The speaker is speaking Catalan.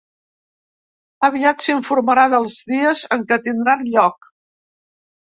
Aviat s’informarà dels dies en que tindran lloc.